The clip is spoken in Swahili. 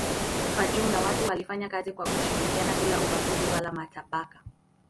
Kwa jumla watu walifanya kazi kwa kushirikiana bila ubaguzi wala matabaka.